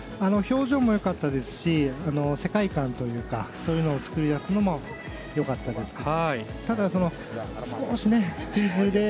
表情もよかったですし世界観というかそういうのを作り出すのもよかったです。